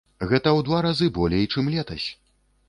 Гэта ў два разы болей, чым летась.